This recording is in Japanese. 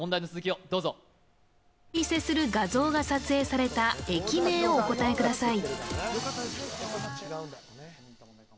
お見せする画像が撮影された駅名をお答えください。